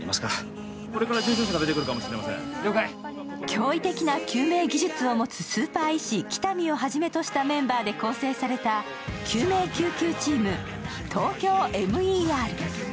驚異的な救命技術を持つスーパー医師・喜多見をはじめとしたメンバーで構成された救命救急チームＴＯＫＹＯＭＥＲ。